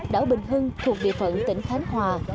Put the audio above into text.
đảo bình hưng thuộc địa phận tỉnh khánh hòa